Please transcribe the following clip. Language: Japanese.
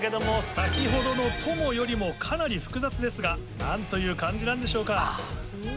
先ほどの「友」よりもかなり複雑ですが何という漢字なんでしょうか？